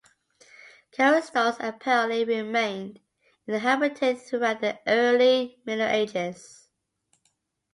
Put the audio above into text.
Karystos apparently remained inhabited throughout the early Middle Ages.